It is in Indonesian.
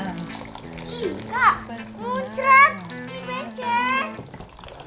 ih kak muncrat di benceng